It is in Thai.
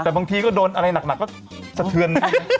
แต่บางทีก็โดนอะไรหนักก็สะเทือน